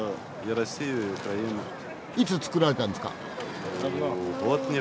いつ造られたんですか？